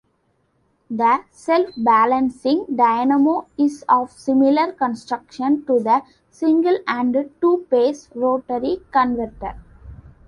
The self-balancing dynamo is of similar construction to the single- and two-phase rotary converter.